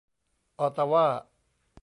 ออตาว่า